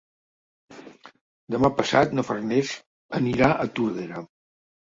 Demà passat na Farners anirà a Tordera.